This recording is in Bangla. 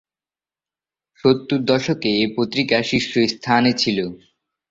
সত্তর দশকে এ পত্রিকা শীর্ষ স্থানে ছিলো।